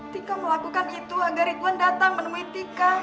tika melakukan itu agar ridwan datang menemui tika